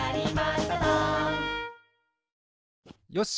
よし！